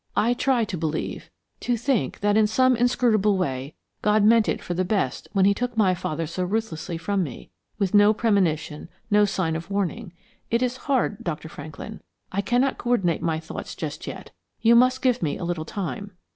I try to believe, to think, that in some inscrutable way, God meant it for the best when he took my father so ruthlessly from me, with no premonition, no sign of warning. It is hard, Dr. Franklin. I cannot coordinate my thoughts just yet. You must give me a little time."